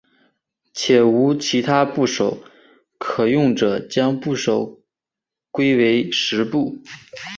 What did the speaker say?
且无其他部首可用者将部首归为石部。